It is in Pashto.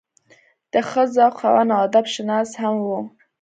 د ښۀ ذوق خاوند او ادب شناس هم وو